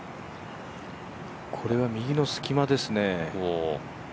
これは右の隙間ですね。